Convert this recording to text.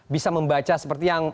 bisa membaca seperti yang